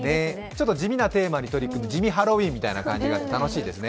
地味なテーマに取り組む地味ハロウィーンみたいで楽しいですね。